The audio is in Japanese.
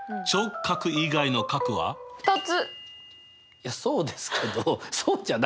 いやそうですけどそうじゃなくて！